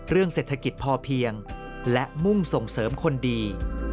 เรื่องเศรษฐกิจพอเพียงและมุ่งส่งเสริมคนดี